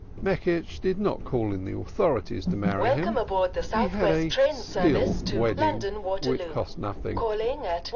Meckisch did not call in the authorities to marry him. He had a "still wedding," which cost nothing.